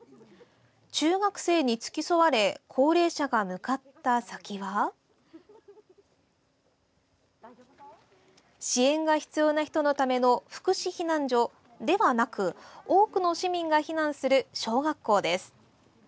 中学生に付き添われ高齢者が向かった先は支援が必要な人のための福祉避難所ではなく多くの市民が避難する小学校です。